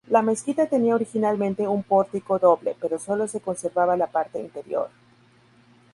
La mezquita tenía originalmente un pórtico doble, pero sólo se conservaba la parte interior.